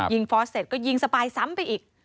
ฟอร์สเสร็จก็ยิงสปายซ้ำไปอีก